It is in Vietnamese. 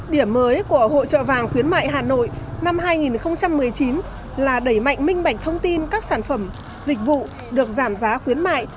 điểm mới của hội trợ vàng khuyến mại hà nội năm hai nghìn một mươi chín là đẩy mạnh minh bạch thông tin các sản phẩm dịch vụ được giảm giá khuyến mại